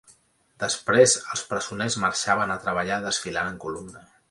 Després els presoners marxaven a treballar desfilant en columna.